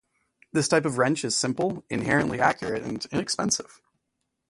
This type of wrench is simple, inherently accurate, and inexpensive.